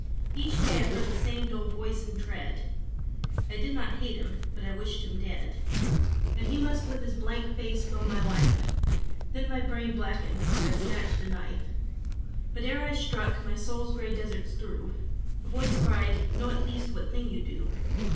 Each day I heard the same dull voice and tread; I did not hate him: but I wished him dead. And he must with his blank face fill my life Then my brain blackened; and I snatched a knife. But ere I struck, my soul's grey deserts through A voice cried, 'Know at least what thing you do.'